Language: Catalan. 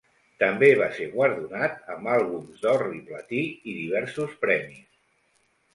També va ser guardonat amb àlbums d'or i platí i diversos premis.